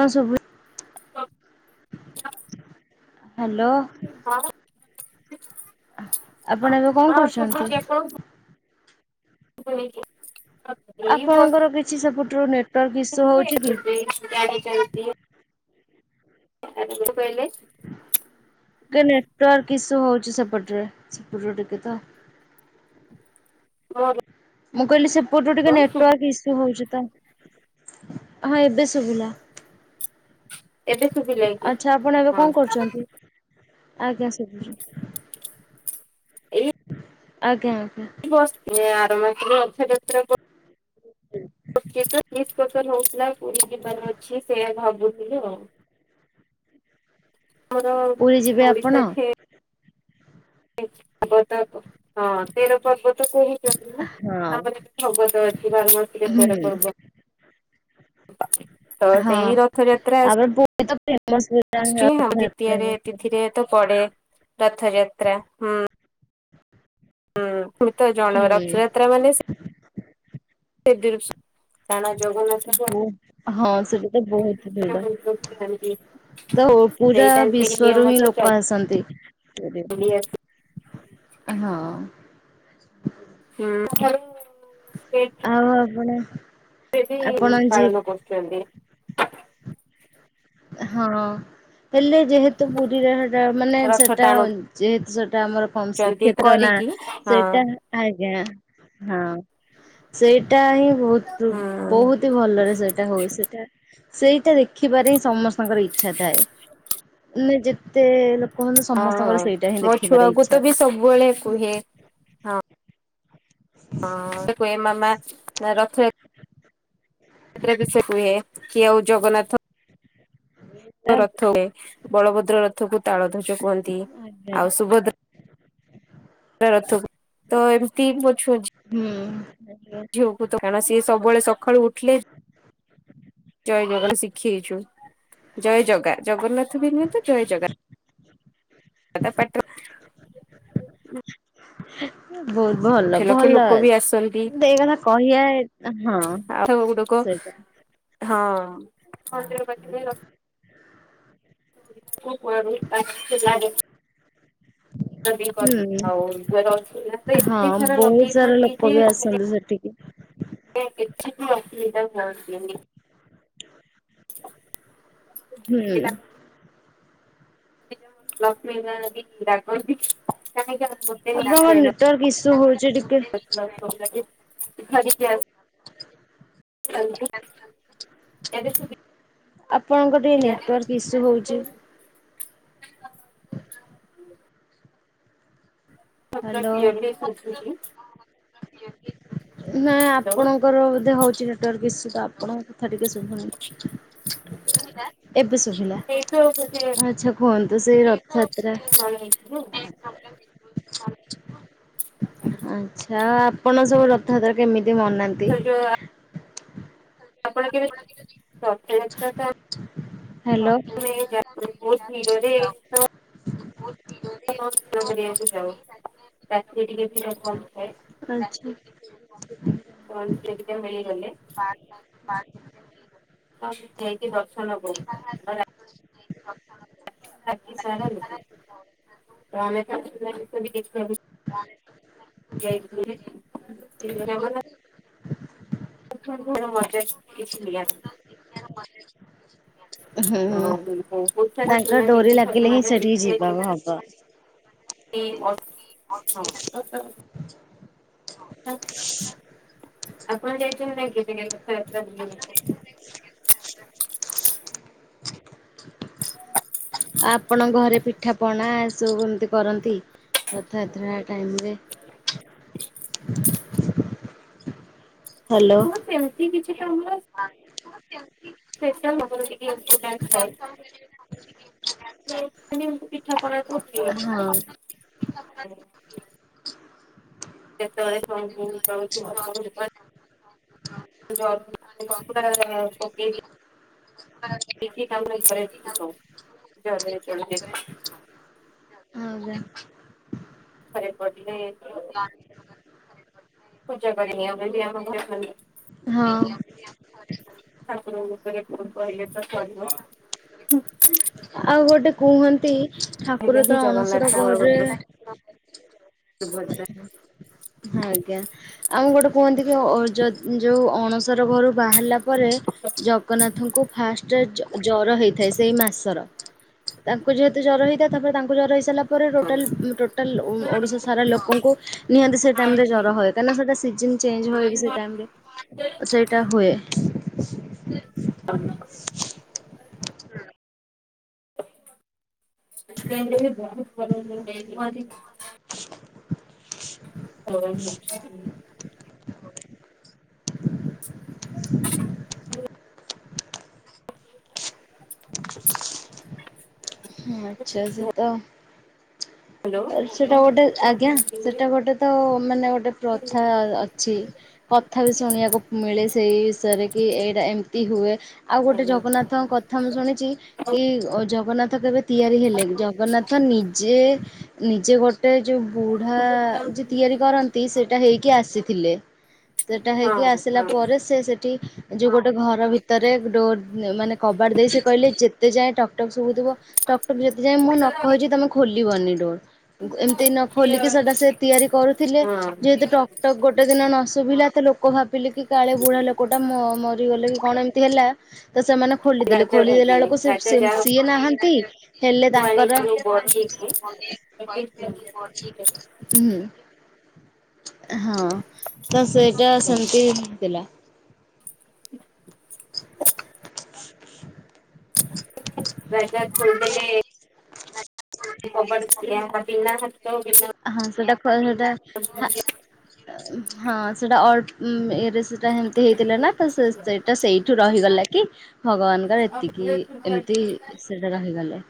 ଲସ ହୁଏ। [unintelligible] ହାଲୋ। ହ ଆପଣ ଏବେ କଣ ହଁ କରୁଛନ୍ତି? ଶୁଭୁଚି ଶୁଭୁନିକି? ଆପଣଙ୍କର କିଛି ସେପୁଟରୁ ନିର୍ [unintelligible] କହିଲେ? ଟ କିସ ହୋଉଚି ସେପଟରେ ସେପଟ ଟିକେ ତ। ହ। ମୁଁ କହିଲି ସେପଟୁ ଟିକେ ନେଟୱାର୍କ ଇସ୍ୟୁ ହୋଉଚି। ହଁ ଏବେ ଶୁଭିଲା। ଏବେ ଶୁଭିଲା କି? ଆଚ୍ଛା ଆପଣ ଏବେ ହଁ କଣ କରୁଛନ୍ତି? ଆଜ୍ଞା ସେ। ଆଜ୍ଞା। ଆଜ୍ଞା ବସିି ଆର ମାସରେ ରଥ ଯାତ୍ରା। [inaudible] ହଉଥିଲା। ପୁରୀ ଯିବାର ଅଛି ସେ ଭାବୁଥିଲୁ ଆଉ। ଆମର ପୁରୀ ଯିବେ ଆପଣ? ଓଡିଶା [unintelligible] ହଁ ତେର ପର୍ବ ତ କୁହୁଛନ୍ତି ନା? ହଁ ଆମର ପର୍ବତ ଅଛି ଭାରମର ହୁଁ ପର୍ବ। ତ ହଁ ସେଇ ରଥଯାତ୍ରା। ତାପରେ ପୁରୀ ତ ଫେମସ ହେଲାଣି ହଉ ରଥଯାତ୍ରା ଦ୍ଵିତୀୟରେ ତିଥିରେ ତ ପଡେ ରଥଯାତ୍ରା ହୁଁ। ହୁଁ ତମେ ତ ଜଣ ରଥଯାତ୍ରା ମାନେ ସେ [unintelligible] ଜଗନ୍ନାଥଙ୍କୁ ହଁ ସେଟା ତ ବୋହୁତ ଆଖି ଭିଡ଼। ମନ୍ଦିରକୁ ଯାଆନ୍ତି ତ ପୁରା ସେଇଟା ସେଇ ବିଶ୍ଵରୁ ନିୟମ ହିଁ ତ ଲୋକ ଆସନ୍ତି। ହଁ। ଚାଲି ଆସି ହୁଁ। ଆଉ ଆପଣ? ସେବି ଆପଣ ଯି ପାଳନ କରୁଛନ୍ତି। ହଁ ହେଲେ ଯେହେତୁ ପୁରୀରେ ସେଟା ମାନେ ରଥ ସେଟା ଯେହେତୁ ସେଟା ଆମର କଣ ଟାଣୁଛନ୍ତି ଶ୍ରୀକ୍ଷେତ୍ର ନା? କରିକି ହଁ ସେଇଟା ଆଜ୍ଞା ହଁ ସେଇଟା ହିଁ। ବହୁତ ହୁଁ ବହୁତ ହି ଭଲରେ ସେଇଟା ହଉଏ ସେଇଟା ସେଇଟା ଦେଖିପାରେ ସମସ୍ତଙ୍କର ଇଛା ଥାଏ ।ନା ଯେ ହଁ ମୋ ଦେଖିବାର ଛୁଆକୁ ଇଚ୍ଛା। ତ ବି ସବୁବେଳେ କୁହେ ହଁ। ହଁ ଏମାମା ରଥ ଯାତ୍ରା ଏଥିରେ ବି ସେ କୁହେ କି ଆଉ ଜଗନ୍ନାଥ ରଥ ହୁଏ ବଳଭଦ୍ର ରଥକୁ ତାଳ ଧ୍ୱଜ କୁହନ୍ତି ଆଜ୍ଞା ।ଆଉ ସୁଭଦ୍ରା ରଥ, ତ ଏମିତି ମୋ ଛୁ ହୁଁ। ଆଜ୍ଞା। ଝିଅକୁ ତ କାଁ ସି ସବୁବେଳେ ସକାଳୁ ଉଠିଲେ ଜୟ ଜଗନ୍ ଶିଖେଇଛୁ ଜୟ ଜଗା ଜଗନ୍ନାଥ ବି ନୁହେ ତ, ଜୟ ଜଗା ତା ପାଟିରୁ ବହୁତ ଭଲ ଭଲ ବି ଏଇ କଥା କହିବା ହଁ ଆ ଗୁଡକ ସେଇଟା ହଁ [inaudible] [inaudible] ହୁଁ ଆଉ ଅଛି ତ ଏତେ ହଁ ସାରା ବହୁତ ସାରା ଲଗେଇଛନ୍ତି ଲୋକ ଯେ ବି ସେ ଆସନ୍ତି ସେଠିକି କିଛି ବି ଅସୁବିଧା ହୁଅନ୍ତିନି [inaudible] ହୁଁ। ଲକ୍ଷ୍ମୀ ନ [unintelligible] ଆପଣଙ୍କର ନେଟୱାର୍କ ଇସୁ ହଉଛି ଟିକେ [unintelligible] ଏବେ ଆପଣଙ୍କ ଟିକେ ସୁବିଧା ନେଟୱାର୍କ ଇସୁ ହଉଛି [inaudible] ପପ ହ୍ୟାଲୋ କିି ଏମଏ ସୁଶୁଛି ନାଇଁ ଆପଣଙ୍କର ବଧେ ହଉଛି ନେଟୱାର୍କ ଇସୁ ତ ଆପଣ କଥା ଟିକେ ସୁଭୁନି ଏବେ ଶୁଭିଲା ସେଇତ ବୋଧେ ଆଛା କୁହନ୍ତୁ। ତ ସେ ରଥଯାତ୍ରା ଜଣେଇଥିଲୁ ଆଛା ଆପଣ ସବୁ ରଥଯାତ୍ରା କେମିତି ମନାନ୍ତି? ସେ ଯୋଉ ଆପଣ କେବେ ରଥଯାତ୍ରା ତ ହ୍ୟାଲୋ ଆଚ୍ଛା। [unintelligible] [unintelligible] [unintelligible] ହଉ ଯାଇକି ଦର୍ଶନ କରୁ [inaudible] ବାକି ସାରାଲୋକ ଆମେ ଯାଇଥିଲ ହୁଁ ଧର ମଜା କିଛି ମି [inaudible] ହୁଁ ବହୁତ ସାରା ତାଙ୍କ ସୁନା ଡୋରି ଦେଇକି ଲାଗିଲେ ହିଁ ସଜବାଜ ସେଠିକି ହେଇଥିବେ ଯିବା ଯେମିତି ହବ। ଅସମ [inaudible] ଆପଣ ଯାଇଛନ୍ତି ଲାଗ ରଥଯାତ୍ରା ବୁଲିବାକୁ ଆପଣଙ୍କ ଘରେ ପିଠା ପଣା ଏ ସବୁ ଏମତି କରନ୍ତି ରଥଯାତ୍ରା ଟାଇମ [inaudible] ହ ସେମିତି କି ସ୍ପେଶାଲ ଆମର ଟିକେ [unintelligible] ପିଠାପଣା ହଁ। [unintelligible] ଯେତେବେଳେ [unintelligible] ଯେତେବେଳେ [unintelligible] ଜବ [unintelligible] କାମରେ ଜରେ ଚ [inaudible] [inaudible] ଥରେ ପ [unintelligible] ପୂଜା କରିନି ଏବେ ବି ଆମ ଘରେ ଖାଲି ନିହାତି ଭାବରେ ଠାକୁରଙ୍କ ଉପରେ [unintelligible] କହିଲେ ତ ଚାଲିବ। ଆଉ ଗୋଟେ କୁହନ୍ତି ଠାକୁର ତ ଅଣସର ଜଗନ୍ନାଥ ଘରରେ ବଳଭଦ୍ର ସୁଭଦ୍ରା ହ୍ୟାଲୋ। ହଁ ଆଜ୍ଞା। ଆଉ ଗୋଟେ କୁହନ୍ତି କି ଯ ଯୋଉ ଅଣସାର ଘରୁ ବାହାରିଲା ପରେ ଜଗନ୍ନାଥଙ୍କୁ ଫାଷ୍ଟ ଜ ଜର ହେଇଥାଏ। ସେଇ ମାସର ତାଙ୍କୁ ଯେହେତୁ ଜର ହେଇଥାଏ ତାପରେ ତାଙ୍କୁ ଜର ହେଇ ହେଲା ପରେ ହଁ ଟୋଟାଲ ଓ ଓଡିଶା ସାରା ଲୋକଙ୍କୁ ନିହାତି ସେ ଟାଇମରେ ଜର ହୁଏ। କାରଣ ସେଟା ସିଜନ ଚେଞ୍ଜ ହୁଏ ସେ ଟାଇମରେ ସେଇଟା ହୁଏ। [unintelligible] ଠାକୁରଙ୍କୁ ବି ବହୁତ୍ [unintelligible] ହୋଉ ହୋଉ। ହଁ ଆଚ୍ଛା ସେ ତ ସେଟା ଗୋଟେ ଆଜ୍ଞା ସେଟା ଗୋଟେ ତ ମାନେ ଗୋ ଟେ ପ୍ରଥା ଅଛି କଥା ବି ଶୁଣିବାକୁ ମିଳେ ସେଇ ବିଷୟରେ କି ଏଇଟା ଏମତି ଯଦି ହୁଏ ଆଉ ଗୋଟେ ଜଗନ୍ନାଥଙ୍କ କଥା ମୁଁ ଶୁଣିଛି କି ଜ ଗନ୍ନାଥ ଯେବେ ତିଆରି ହେଲେ ଜଗନ୍ନାଥ ନିଜେ ନିଜେ ଗୋ ଟେ ଯୋଉ ବୁଢା ଯେ ତିଆରି କରନ୍ତି। ସେଇଟା ହେଇକି ଆସିଥିଲେ। ସେଟା ହେଇକି ଆସିଲା ପରେ ସେ ସେଠି ଯୋଉ ଗୋଟେ ଘର ଭିତରେ ଡୋର ମାନେ କବାଟ ଦେଇ ସେ କହିଲେ ଯେତେ ଯାଏଁ ଟକ ଟାକୁ ସୁବୁଥିବ ଟକଟକ୍ ଯେତେ ଯାଏଁ ମୁଁ ନ କହିଛି ତମେ ଖୋଲିବନି ଡୋର। ଏମିତି ନ ଖୋଲିକି ସେଟା ସେ ତିଆରି କରୁଥିଲେ ହଁ ଯେହେତୁ ଟକ୍ ଟକ୍ ଗୋଟେ ଦିନ ନ ଶୁଭିଲା ତ ଲୋକ ଭାବିଲେ କି କାଳେ ବୁଢା ଲୋକଟା ମ ମରିଗଲା କି କଣ ଏମିତି ହେଲା ତ ସେମାନେ ଖୋଲିଦେଲେ ରାଜା ଭାବିଲେ ଖୋଲିଦଲାବେଳକୁ ସେ ରାଜା ସେ ଯାହାକୁ ସିଏ ନାହାନ୍ତି ହେଲେ ତାଙ୍କର ଆଣିଥିଲୁ ହୁଁ ବଟିକୁ ହଁ ତ ସେଇଟା ସେମିତିଥିଲା। ରାଜା ଖୋଲି ଦେଲେ ହାତ ହଁ ସେଟା ଖୋଲ ସେଟା ହଁ ସେଇଟା ଅଳ୍ପ ଉଁ ଇଏରେ ସେଟା ହେମତି ହେଇଥିଲା ନା ତ ସେ ସେଇଟା ସେଇଠୁ ରହିଗଲା କି ଭଗବାନଙ୍କର ଏତିକି ବିନା ଏମିତି ସେଟା ରହିଗଲେ।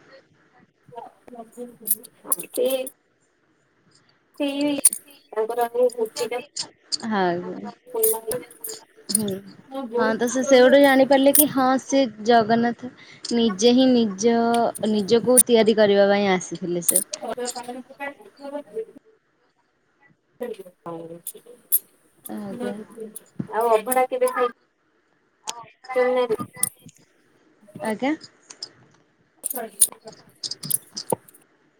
[unintelligible] ସେଇ ତାଙ୍କର ହେଇ ମୂର୍ତ୍ତିଟା ହଁ [unintelligible] ଖୋଲାହେଲେ ହୁଁ ହଁ ତ ସେ ସେଇଠୁ ଜାଣିପାରିଲେ କି ହଁ ସେ ଜଗନ୍ନାଥ ନିଜେ ହିଁ ନିଜ ନିଜକୁ ତିଆରି କରିବା ପାଇଁ ଆସି [unintelligible] ଆଜ୍ଞା ଆଉ ଅଭଡା କେବେ ଖାଇଛ? ଆଜ୍ଞା। [unintelligible]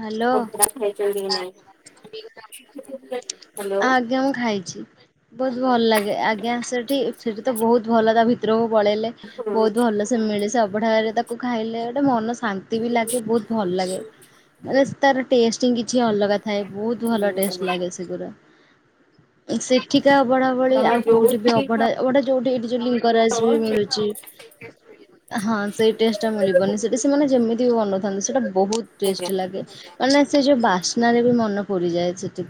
ହାଲୋ। ଅଭଡା ଖାଇଛନ୍ତି କି ନାଇଁ? ହ୍ୟାଲୋ ଆଜ୍ଞା, ମୁଁ ଖାଇଛି। ବହୁତ ଭଲ ଲାଗେ ଆଜ୍ଞା ସେଠି ସେଠି ତ ବହୁତ ଭଲ ତା ଭିତରକୁ ପଳେଇଲେ ହୁଁ ବହୁତ ଭଲସେ ମିଳେ ସେ ଅଭଡ଼ାରେ ତାକୁ ଖାଇଲେ ଗୋଟେ ମନ ଶାନ୍ତି ବି ଲାଗେ ବହୁତ ଭଲ ଲାଗେ ମାନେ ତାର ଟେଷ୍ଟିଂ କିଛି ଅଲଗା ଥାଏ ବହୁତ ଭଲ ଟେଷ୍ଟ ହୁଁ ଲାଗେ ସେଗୁରା ସେଠି ସେ ଅଭଢା ଭଳି ତମେ ଆଉ କୋଉଠି ବି ଯୋଉଠି ଅଭଢା ଖାଅ ଗୋଟେ ଯୋଉଠି ଏଇଠି ଯୋଉ ଲିଂ ଙ୍ଗ ରାଜରେ ବି ସେ ମିଳୁଚି । ହଁ, ସେଇ ଟେଷ୍ଟଟା ମିଳିବନି ସେଠି ସେମାନେ ଯେମତି ବି ବନଉଥାନ୍ତି ସେଇଟା ବହୁତ ଟେଷ୍ଟ। ଆଜ୍ଞା ଲାଗେ। ମାନେ ସେ ଯୋଉ ବାସ୍ନରେ ବି ମନ ପୁରିଯାଏ, ସେଠି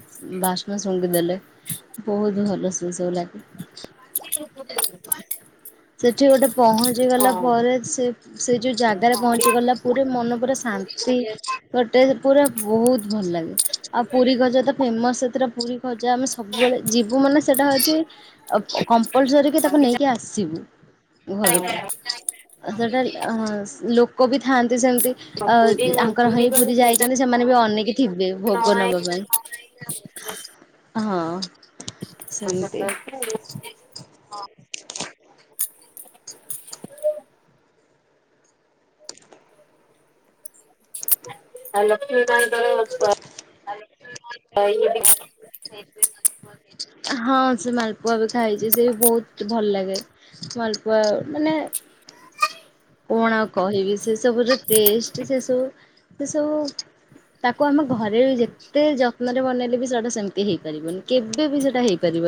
ବାସ୍ନା ଶୁଙ୍ଘିଦେଲେ। ବହୁତ ଭଲ ସେସବୁ ଲାଗେ। [inaudible] ସେଠି ଗୋଟେ ପହଞ୍ଚିଗଲା ହଁ। ପରେ ସେ ସେ ଯଉ ଜାଗାରେ ପହଞ୍ଚିଗଲା ପରେ ମନ ପୁରା ଶାନ୍ତି ଗୋଟେ ପୁରା ବହୁତ ଭଲ ଲାଗେ ଆଉ ପୁରୀ ଗଜା ତ ଫେମସ୍ ଏଥର ପୁରୀ ଗଜା ଆମେ ସବୁବେଳେ ଯିବୁ ମାନେ ସେଇଟା ହଉଛି କମ୍ପଲସରି କିି ତାକୁ ପୁରୀ ନ ନେଇକି ଆସିବୁ ଘରକୁ। ସେଟା ହଁ ଲୋକବି ଥାଆନ୍ତି ସେମ ତି ଅ ଆଙ୍କର ପୁରୀ ହେଇ ଗଲେ ପୁରୀ ସେଇଟା ଯାଇଛନ୍ତି ସେମାନେ ବି ଅନେକ ଥିବେ ନ ଭୋଗ ଆଇ ନବା ପାଇଁ ହଁ ସତ ସେମତି। ଅଛି ଆଉ। ଆ ଲକ୍ଷ୍ମୀ ନାଇଁ ତୋର ବୋପା ହଁ। ସେ ମାଲପୁଆ ବି ଖାଇଛି ସେ ବି ବହୁତ ଭଲ ଲାଗେ ମାଲପୁଆ ମାନେ କଣ ଆଉ କହିବି ସେ ସବୁଯଉ ଟେଷ୍ଟ ସେ ସବୁ ସେ ସବୁ ତାକୁ ଆମ ଘରେ ବି ଯେତେ ଯତ୍ନରେ ବନେଇଲେ ବି ସେଟା ସେମିତି ହେଇପାରିବନି କେବେ ବି ସେଟା ହେଇପାରିବ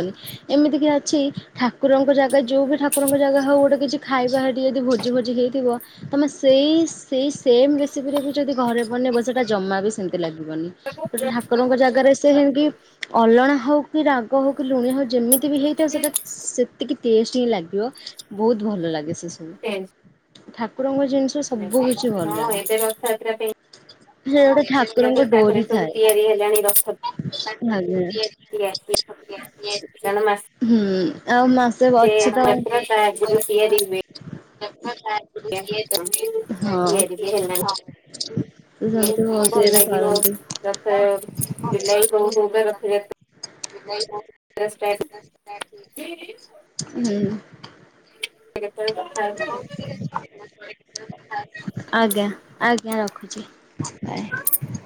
ଏମିତି କିି ଅଛି ଠାକୁରଙ୍କ ଜାଗା ଯୋଉ ବି ଠାକୁରଙ୍କ ଜାଗା ହଉ ଗୋଟେ କିଛି ଖାଇବା ହେଠି ଯଦି ଭୋଜି ଗୋ ହେଇଥିବ ତମେ ସେଇ ସେଇ ସେମ ରେସିପିରେ ବି ଯଦି ଘରେ ବନେଇବ ସେଟା ଜମା ବି ସେମତି ଲା ଲାଗିବନି ହଁ ଠାକୁରଙ୍କ ଜାଗାରେ ସେ ହେି ଅଲଣା ହଉ କି ରା ଗ ହଉ କି ଲୁଣିଆ ହଉ ଯେମିତି ବି ହେଇଥାଉ ସେଟା ସେତିକି ଟେଷ୍ଟ ହି ଲାଗିବ ବହୁତ ଭଲ ଲାଗେ। ଠାକୁରଙ୍କ ଜିନିଷ ସବୁ କିଛି ଭଲ ଲାଗେ। ଏବେ ରଥଯାତ୍ରା ପାଇଁ ସେ ଗୋଟେ ବି ଠାକୁରଙ୍କ ଡୋରି କାଠରେ ସବୁ ଥାଏ। [inaudible] ତିଆରି ହେଲାଣି ରଥ ତିଆରି କାରଣ ମାସେ ହୁଁ। ଆଉ ମାସେ ଅଛି ତ। ଯାତ୍ରା ତା ଆଗରୁ ତିଆରି ହୁଏ। ହଁ ଅଁ ତ ତିଆରି ସତି ବି ହେଲାଣି ହ ଭଲ କେ ଦେ ଲାଗିବ ଖାଦନ୍ତି [inaudible] ରଥ ଜୁଲାଇ ହଉ ହଉକା ରଥଯାତ୍ରା ଷ୍ଟାର୍ଟ [inaudible] ହୁଁ ସେ କେତେବେଳେ କଥା ହେବ? ହ ଆଜ୍ଞା ଆଜ୍ଞା ରଖୁଚି ବାଏ।